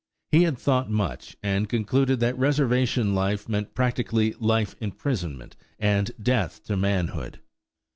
He had thought much, and concluded that reservation life meant practically life imprisonment and death to manhood.